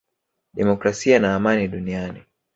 demokrasia na amani duniani